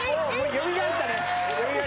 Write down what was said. よみがえったね。